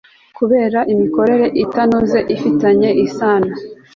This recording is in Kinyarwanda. kureba imikorere itanoze ifitanye isano